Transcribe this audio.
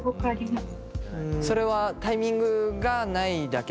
それはタイミングがないだけ？